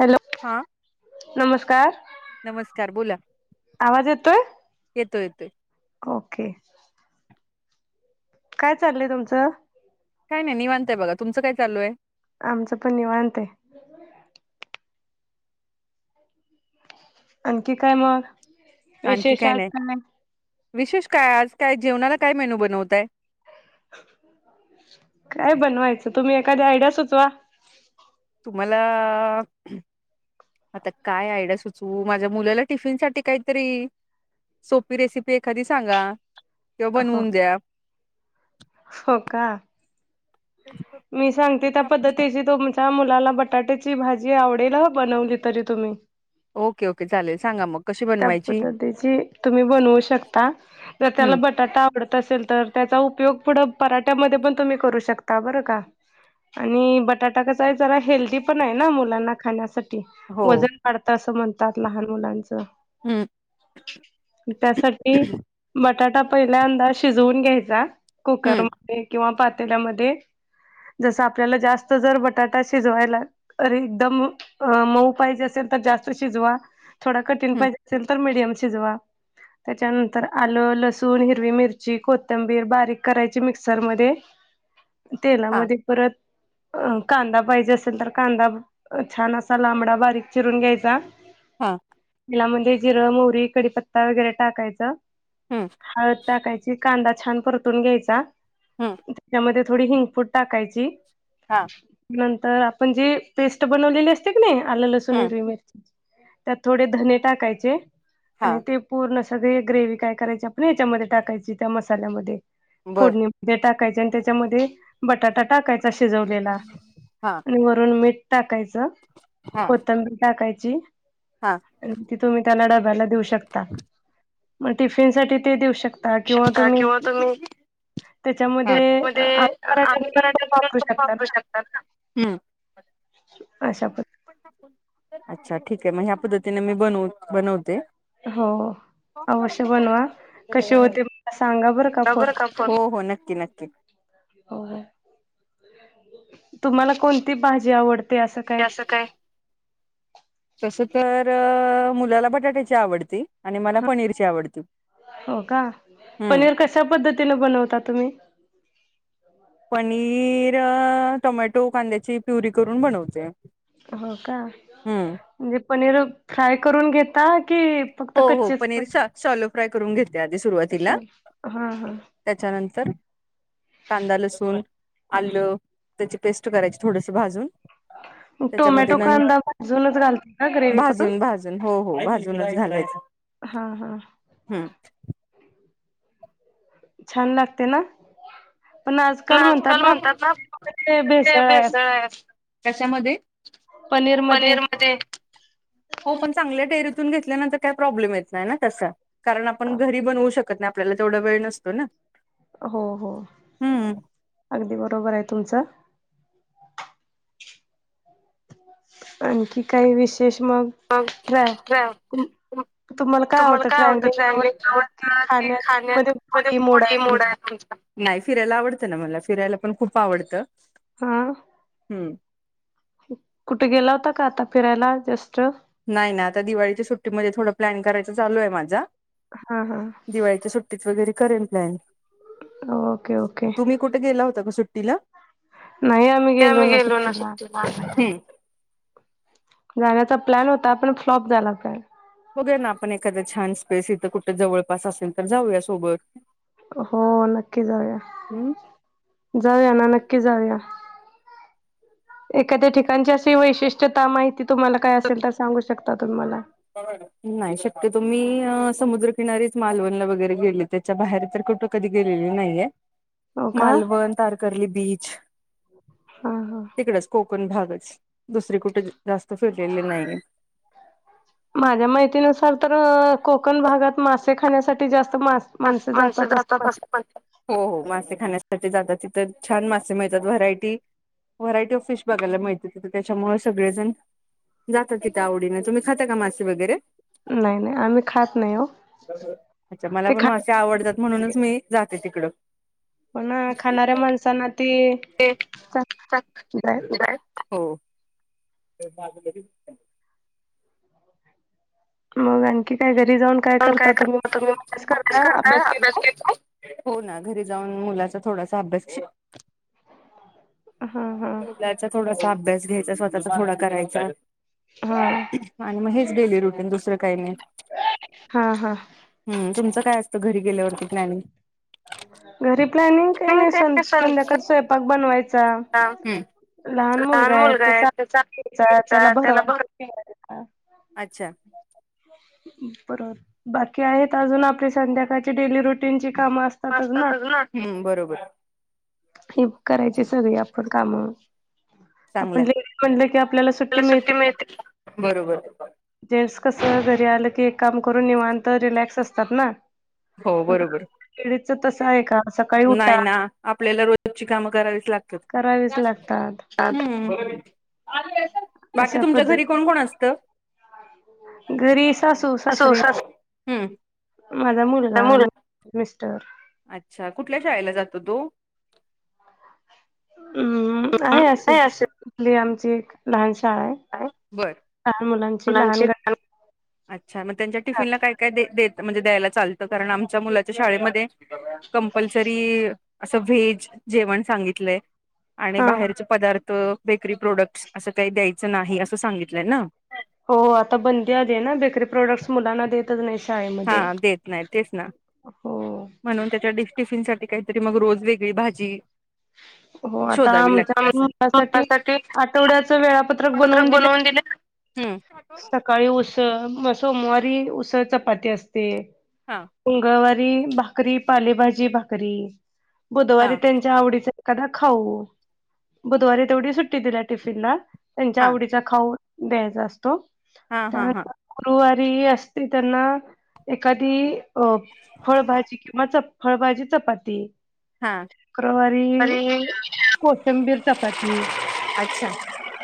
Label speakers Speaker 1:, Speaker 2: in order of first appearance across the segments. Speaker 1: Hello.
Speaker 2: हां.
Speaker 1: नमस्कार.
Speaker 2: नमस्कार. बोला.
Speaker 1: आवाज येतोय? ओके. काय चालय तुमचं?
Speaker 2: काय नाही निवांत आहे बघा, तुमचं काय चालू आहे?
Speaker 1: आमचं पण निवांत आहे. आणखी काय मग?
Speaker 2: आणखी काय नाही, विशेष काय आज काय जेवणाला काय मेनू बनवताय?
Speaker 1: काय, बनवायचं तुम्ही एखादी आयडिया सुचवा.
Speaker 2: तुम्हाला आता काय, आयडिया सुचवू माझ्या मुलाला टिफिन साठी काहीतरी सोपी रेसिपी एखादी सांगा किंवा बनवून द्या.
Speaker 1: हो का? मी सांगते त्या पद्धतीची तोमच त्या मुलाला बटाट्याची भाजी आवडेल हो, बनवली तरी तुम्ही.
Speaker 2: ओके, ओके चालेल. सांगा मग कशी
Speaker 1: त्या पद्धतीची तुम्ही बनवू शकता, जर त्याला बटाटा आवडत असेल तर त्याचा उपयोग पुढ पराठ्यामध्ये पण तुम्ही करू शक का बर का आणि बटाटा कसा आहे जरा हेल्दी पण आहे ना मुलांना खाण्यासाठ वजन वाढत असं म्हणतात लहान मुलांच. त्यासाठी बट टाटा पहिल्यांदा शिजवून घ्यायचा, कुकरमध्ये किंवा पातेल्यामध्ये. जस, आपल्याला जास्त जर बटाटा शिजवायला करी एकदम मऊ पाहिजे असेल, तर जास्त शिजवा. थोडा कठीण पाहिजे असेल तर मिडियम शिजवा. त्याच्यानंतर, आलं लसूण, हिरवी मिरची, कोथंबीर बारीक करायची मिक्सरमध्ये तेलामध्ये परत. अ कांदा पाहिजे असेल तर, कांदा छान असा लांबडा बारीक चिरून घ्यायचा.
Speaker 2: हां.
Speaker 1: तेला मध्ये जिरं मोहरी कडीपत्ता वगैरे टाकायचा. हळद टाकायची, कांदा छान परतून घ्यायचा त्याच्यामध्ये थोडी हिंगपुड टाकायची.
Speaker 2: हा.
Speaker 1: नंतर आपण जी पेस्ट बनवलेली असते की नाही, आलं लसूण हिरवी मिरची. त्यात थोडे धने टाकायचे आणि ते पूर्ण सगळे ग्रेव्ही काय करायची, आपण याच्यामध्ये टाकायची त्या मसाल्यामध्ये फोडणी ते टाकायचे आणि त्याच्यामध्ये बटाटा टाकायचा शिजवलेला आणि वरून मीठ. टाकायचं, कोथंबीर टाकायची.
Speaker 2: हा.
Speaker 1: आणि ती तुम्ही त्याला डब्याला देऊ शकता, मग टिफिन साठी ते देऊ शकता
Speaker 2: शकता किंवा तुम्ही.
Speaker 1: त्याच्यामध्ये
Speaker 2: ते आम्ही मराठी तु वापरू शकतो ना अच्छा ठीक आहे मग ह्या पद्धतीने मी बनवू बनवते.
Speaker 1: हो. अवश्य बनवा कसे होते मला सांगा बरं का फोन करून?
Speaker 2: तिला केलं
Speaker 1: होय, तुम्हाला कोणती भाजी आवडते असं काय?
Speaker 2: तस तर मुलाला बटाट्याची आवडते. आणि मला पनीरचे आवडते, हम्म.
Speaker 1: कशा पद्धतीन बनवता तुम्ही?
Speaker 2: पनीर टोमॅटो कांद्याची प्युरी करून बनवते.
Speaker 1: हो का? म्हणजे पनीर फ्राय करून घेता की
Speaker 2: हो हो पनीर शॅ-शॅलो फ्राय करून घेते आधी सुरवातीला. त्याच्यानंतर कांदा, लसूण, आलं त्याची पेस्ट करायची थोडस भाजून. त्याच्यामध्ये न भाजून भाजून, हो हो भाजूनच घालाय
Speaker 1: हा हा.
Speaker 2: हम्म.
Speaker 1: छान लागते ना पण, आजकाल म्हणतात ना ते भेसळ आहे.
Speaker 2: कशामध्ये पनीर मध्ये हो पण चांगल्या डेअरीतून घेतल्यानंतर काय प्रॉब्लेम येत नाही ना तसं, कारण आपण घरी बनवू शक त नाही, आपल्याला तेवढा वेळ नसतो ना.
Speaker 1: हो हो, अगदी बरोबर आहे तुमचं. आणखी काही विशेष मग?
Speaker 2: मग, [unintelligible] तुम्हाला काय आवडतं ट्रॅव्हलिंग आवडत की खाण्या मध्ये पुढ मुड आहे तुमचा. नाही फिरायला आवडतं ना मला फिरायला पण खूप आवडतं.
Speaker 1: हा.
Speaker 2: हम्म.
Speaker 1: कुठे गेला होता का आता फिरायला जस्ट?
Speaker 2: नाही ना आता दिवाळीच्या सुट्टीमध्ये थोडं प्लॅन करायच चालू आहे, माझा दिवाळीच्या सुट्टी ट्रीप वगैरे करेन प्लॅन.
Speaker 1: Okay okay.
Speaker 2: मी कुठे गेला होता ग सुट्टीला? आम्ही गेलो ना सुट्टीला आता हम्म.
Speaker 1: जाण्याचा प्लॅन होता पण फ्लॉप झाला काय.
Speaker 2: बघूया ना आपण एखाद्या छान स्पेस इथ कुठं जवळपास असेल तर जाऊया सोबत.
Speaker 1: हो नक्की जाऊया, जाऊया ना नक्की जाऊया. एखाद्या ठिकाणची अशी वैशिष्ट्यता माहिती तुम्हाला काय असेल तर सांगू शकता तुम्ही मला.
Speaker 2: नाही शक्यतो मी समुद्रकिनारीच मालवणला वगैरे गेली ते. बाहेर तर कुठे कधी गेलेली नाहीये, मालवण तारकर्ली बीच. तिकडच कोकण भागच दुसरी कुठे जास्त फिरलेली नाहीे.
Speaker 1: [inaudible] माझ्या माहितीनुसार तर, कोकण भागात मासे खाण्यासाठी जास्त मास
Speaker 2: पाच माणसं जातात असं पण हो, हो, मासे खाण्यासाठी जातात तिथं छान मासे मिळतात व्हरायटी व्हरायटी ऑफ फिश बघायला मिळती, हो तर त्याच्यामुळे सगळेजण. जाता तिथे आवडीने तुम्ही खाता का मासे वगैरे?
Speaker 1: नाही नाही आम्ही खात नाही हो ते खा
Speaker 2: चे आवडतात म्हणूनच मी जाते तिकडं. ते हो [unintelligible] तरी [unintelligible]
Speaker 1: मग आणखी काय घरी जाऊन
Speaker 2: पण काय करता तुम्ही [unintelligible] करताय अभ्यास केला हो ना घरी जाऊन मुलाचा थोडासा अभ्यास शिक
Speaker 1: हा हा.
Speaker 2: त्याचा थोडासा अभ्यास घ्यायचा, स्वतःचा थोडा करायचा. आणि मग हेच डेली रुटीन दुसरं काही नाही.
Speaker 1: हा हा.
Speaker 2: हम् तुमचं काय असतं घरी गेल्यावरती प्लॅनींग?
Speaker 1: घरी प्लॅनिंग काही नाही संध्याकाळचा स्वयंपाक बनवायचा
Speaker 2: लहान मुलगा आहे त्याचा अभ्यास घ्यायचा भर [unintelligible] अच्छा.
Speaker 1: ह बरोबर बाकी आहेत अजून आपली संध्याकाळची डेली रुटीन ची काम अस
Speaker 2: नास्ता करनार हम बरोबर.
Speaker 1: हे करायचे सगळे आपण कामं. आपण लेडीज म्हणलं की आपल्याला सुट्टी मिळते जेंनस कसं घरी आलं की एक काम करून निवांत रिलॅक्स असतात ना.
Speaker 2: हो बरोबर. नाही ना आपल्याला रोजची कामं करावीच लागतात. हम्म. बाकी तुमच्या घरी कोण कोण असतं?
Speaker 1: घरी सासू सासरे. माझा मुलगा मिस्टर
Speaker 2: अच्छा कुठल्या शाळेला जातो तो?
Speaker 1: हम्म आहे अशीच आपली आमची एक लहान शाळा आहे
Speaker 2: बर [unintelligible] अच्छा मग त्यांच्या टिफिनला काय काय देत म्हणजे द्यायला चालत कारण आमच्या मुलाच्या शाळेमध्ये कंपल्सरी असं व्हेज जेवण सांगितलय. आणि बाहेरचे पदार्थ बेकरी प्रोडक्ट्स असं काही द्यायचं नाही असं सांगितलंय ना.
Speaker 1: हो आता बंदी आली आहे ना बेकरी प्रोडक्ट्स मुलांना देत तच नाही शाळेमध्ये हो.
Speaker 2: म्हणून त्याच्या टिफिन साठी काहीतरी मग रोज वेगळी भाजी.
Speaker 1: हो आता आमच्या मुलासाठी आठवड्याच वेळापत्रक बनवून दिले सकाळी उसळ म सोमवारी उसळ चपाती असते.
Speaker 2: हां
Speaker 1: मंगळवारी भाकरी पालेभाजी भाकरी बुधवारी त्यांच्या आवडीच कदा खाऊ बुधवारी तेवढी सुट्टी दिल्या टिफिनला त्यांच्या आवडीचा खाऊ द्यायचा असतो.
Speaker 2: हा हा हा.
Speaker 1: गुरुवारी असते तर ना एखादी अ फळभाजी किंवा चपाती फळभजी चपाती शुक्रवारी कोशंबीर चपाती.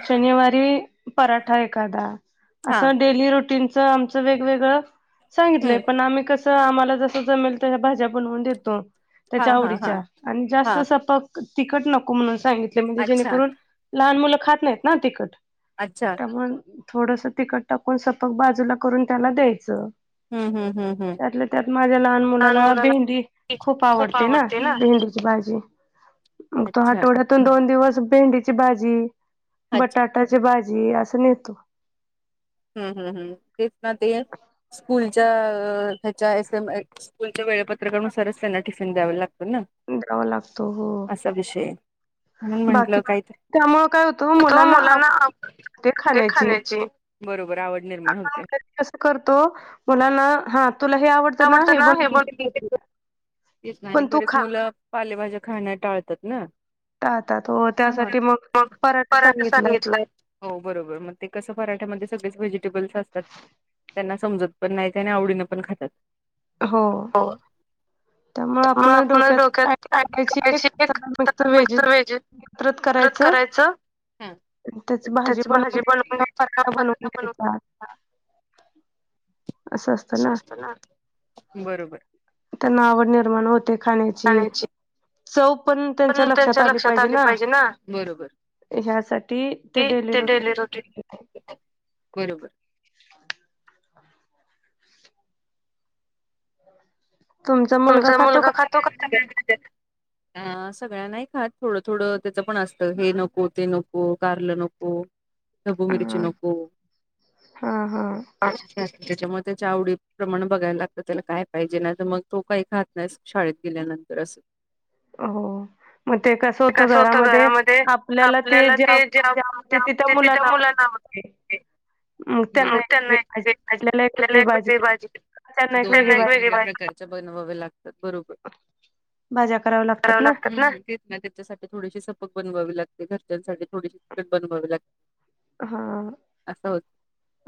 Speaker 1: शनिवारी पराठा एखादा. असं डेली रुटीनचं आमचं वेगवेगळं सांगितलंय, पण आम्ही कस तर आम्हाला जसं जमेल त्या भाज्या बनवून देतो त्याच्या आवडीच्या. आणि जास्त सपक तीखट नको म्हणून सांगितले म्हणजे जेणेकरून लहान मुलं खात नाहीत ना तिखट.
Speaker 2: अच्छा.
Speaker 1: त्यामुळे थोडंसं तिकट टाकून, सपक बाजूला करून त्याला द्यायचं. त्यातल्या त्यात माझ्या लहान मुलाला भेंडी खूप आवडते ना. भेंडी भाजी. मग तो आठवड्यातून दोन दिवस भेंडीची भाजी, बटा बटाट्याची भाजी असं नेतो.
Speaker 2: हम्म हम्म हम्म. तेच ना ते स्कूलच्या त्याच्या एस एम स्कूलच्या वेळापत्रकानुसारच त्यांना टिफिन द्यावं लागतं ना.
Speaker 1: द्यावा लागतो हो.
Speaker 2: विषय आहे. म्हणून म्हटलं काहीतर [unintelligible] मुलांना ते खाण्याची. बरोबर आवड निर्माण होते.
Speaker 1: कसं करतो. मुलांना हा तुला हे आवड
Speaker 2: आवडत ना हे [unintelligible] तेच ना आणि बरेच मुलं पालेभाज्या खाणं टाळतात ना. हा. मग पराठा सांगितलाय. हो बरोबर, मग ते कसं पराठ्यामध्ये सगळेच व्हेजिटेबल्स असतात. त्यांना समजत पण नाहीत आणि आवडीने पण खातात.
Speaker 1: हो.
Speaker 2: हो. मग आपण डोक्यात [unintelligible] परत करायचं. हम्म. त्यांची भाजी बनवून घ्यायची [unintelligible] असं असतं ना. बरोबर.
Speaker 1: त्यांन आवड निर्माण होते खाण्याची. चव पण त्यांच्या लक्षात आली पाहिजे ना. ह्यासाठी ते डेली रूटीन [unintelligible]
Speaker 2: बरोबर. तुमचा मुलगा खातो का [unintelligible] अ सगळा नाही खातं. थोडं थोडं त्याचं पण असतं हे नको ते नको‌. कारलं न हो ढबु मिरची नको. त्याच्यामुळे त्याच्या आवडी प्रमाणं बघायला लागतं त्याला काय पाहिजे. नाही तर मग तो काही खात नाहीस शाळेत गेल्यानंतर असं.
Speaker 1: हो. मग ते कसं होत घरामध्ये आपल्याला ते ज्या [unintelligible] आवडते ते त्या मुलांना आवड [inaudible]
Speaker 2: [inaudible] ना व [unintelligible] करावे लागतात ना तेच ना त्याच्या त्याच्यासाठी. थोडीशी सपक बनवावी लागते, घरच्यांसाठी थोडीशी तिकट बनवावी लागते.
Speaker 1: हा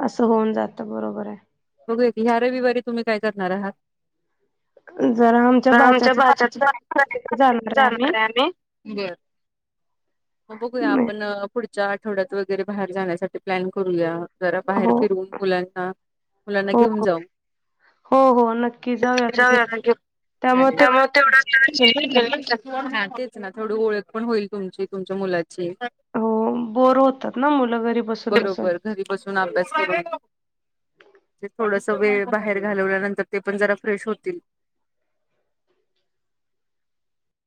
Speaker 1: असं होऊन जातं बरोबर आहे.
Speaker 2: बघूया की ह्या रविवारी तुम्ही काय करणार आहात?
Speaker 1: जरा
Speaker 2: तर आमच्या भाच जाणार आहे आम्ही. बर मग बघूया आपण पुढच्या आठवड्यात वगैरे बाहेर जाण्यासाठी प्लॅन करूया. जरा बाहेर फिरून मुलांना, मुलांना घेऊन जाऊ.
Speaker 1: हो हो नक्की.
Speaker 2: [unintelligible] हा तेच ना थोडी ओळख पण होईल तुमची तुमच्या मुलाची.
Speaker 1: हो बोर होतात ना मुलं घरी बसून बसून.
Speaker 2: घरी बसून अभ्यास करुन. तेच थोडसं वेळ बाहेर घाललल्यानंतर ते पण जरा फ्रेश होतील.